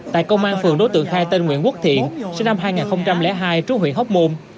tại công an phường đối tượng khai tên nguyễn quốc thiện sinh năm hai nghìn hai trú huyện hóc môn